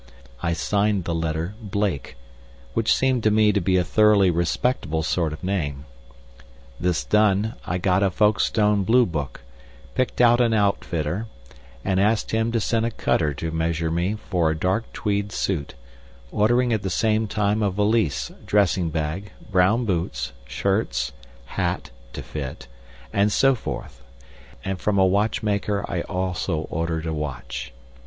I signed the letter "Blake," which seemed to me to be a thoroughly respectable sort of name. This done, I got a Folkstone Blue Book, picked out an outfitter, and asked him to send a cutter to measure me for a dark tweed suit, ordering at the same time a valise, dressing bag, brown boots, shirts, hat (to fit), and so forth; and from a watchmaker I also ordered a watch.